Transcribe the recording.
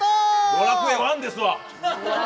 「ドラクエＩ」ですわ。